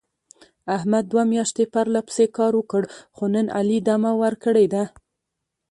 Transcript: احمد دوه میاشتې پرله پسې کار وکړ. خو نن علي دمه ور کړې ده.